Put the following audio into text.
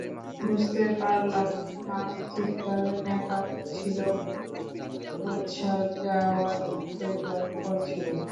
বুঝতে পারলাম মামির চিৎকার ন্যাকামো ছিল না, মূর্ছা যাওয়ার মতোই ভয়ংকর ছিল।